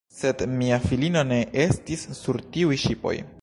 Sed mia filino ne estis sur tiuj ŝipoj.